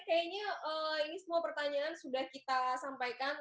kayaknya ini semua pertanyaan sudah kita sampaikan